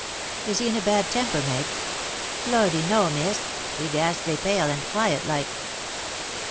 "Is he in a bad temper, Meg?" "Lordy, no, miss! He ghastly pale and quiet like."